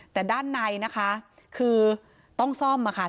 แต่ด้านในนะคะคือต้องซ่อมค่ะ